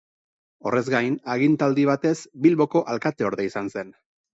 Horrez gain, agintaldi batez Bilboko alkateorde izan zen.